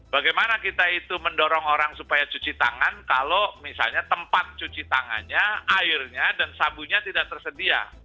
bagaimana kita itu mendorong orang supaya cuci tangan kalau misalnya tempat cuci tangannya airnya dan sabunya tidak tersedia